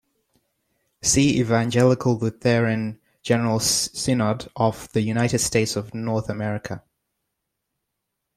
See Evangelical Lutheran General Synod of the United States of North America.